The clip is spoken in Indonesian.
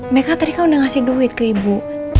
mereka tadi kan udah ngasih duit ke ibu